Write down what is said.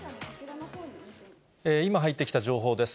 今入ってきた情報です。